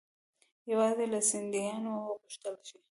یوازې له سیندهیا وغوښتل شي.